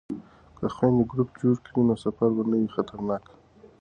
که خویندې ګروپ جوړ کړي نو سفر به نه وي خطرناک.